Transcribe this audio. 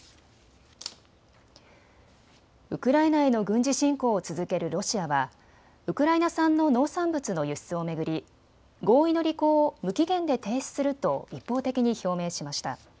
ウクライナへの軍事侵攻を続けるロシアはウクライナ産の農産物の輸出を巡り合意の履行を無期限で停止すると一方的に表明しました。